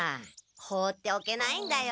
放っておけないんだよ。